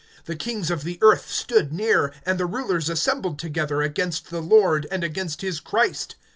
(26)The kings of the earth stood near, And the rulers assembled together, Against the Lord, and against his Christ.